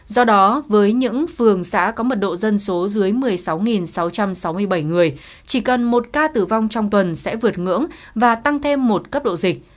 do đó với những phường xã có mật độ dân số dưới một mươi sáu sáu trăm sáu mươi bảy người chỉ cần một ca tử vong trong tuần sẽ vượt ngưỡng và tăng thêm một cấp độ dịch